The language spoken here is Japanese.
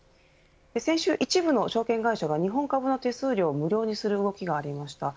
先週、一部の証券会社が日本株の手数料を無料にする動きがありました。